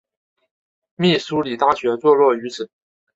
密苏里大学坐落于此。